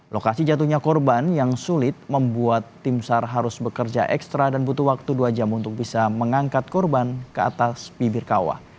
lokasi jatuhnya korban yang sulit membuat tim sar harus bekerja ekstra dan butuh waktu dua jam untuk bisa mengangkat korban ke atas bibir kawah